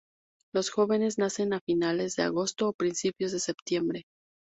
Los jóvenes nacen a finales de agosto o principios de septiembre.